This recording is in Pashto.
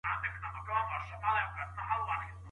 په قلم لیکنه کول د ژبني مهارتونو د پرمختګ بنسټ دی.